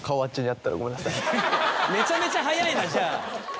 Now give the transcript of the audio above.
めちゃめちゃ早いなじゃあ。